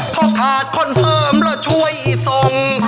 เพราะขาดคนเสิร์มและช่วยอีสง